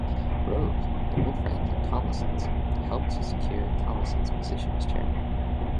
Rove, an old friend of Tomlinson's, helped to secure Tomlinson's position as chairman.